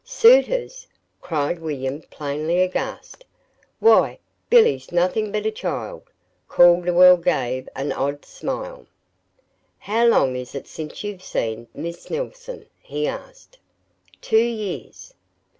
"Suitors!" cried William, plainly aghast. "Why, Billy's nothing but a child!" Calderwell gave an odd smile. "How long is it since you've seen Miss Neilson?" he asked. "Two years."